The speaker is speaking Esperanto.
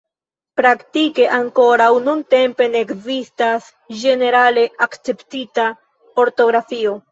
Praktike ankoraŭ nuntempe ne ekzistas ĝenerale akceptita ortografio.